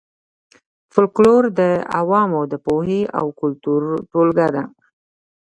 فولکلور د عوامو د پوهې او کلتور ټولګه ده